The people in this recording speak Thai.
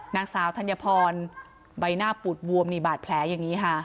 นางสาวธัญพรใบหน้าปูดบวมนี่บาดแผลอย่างนี้ค่ะ